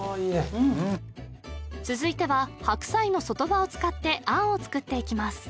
うん続いては白菜の外葉を使ってあんを作っていきます